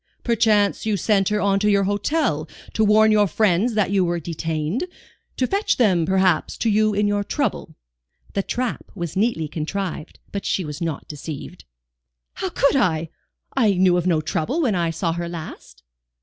"Perchance you sent her on to your hotel to warn your friends that you were detained? To fetch them, perhaps, to you in your trouble?" The trap was neatly contrived, but she was not deceived. "How could I? I knew of no trouble when I saw her last."